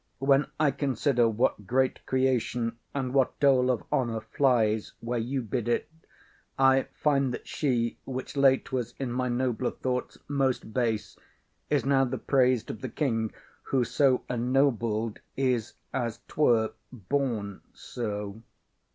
When I consider What great creation, and what dole of honour Flies where you bid it, I find that she, which late Was in my nobler thoughts most base, is now The praised of the king; who, so ennobled, Is as 'twere born so.